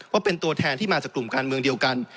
ว่าเป็นตัวแทนที่มาจากกลุ่มการเมืองเดียวกัน